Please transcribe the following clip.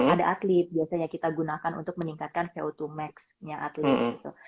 ada atlet biasanya kita gunakan untuk meningkatkan co dua max nya atlet gitu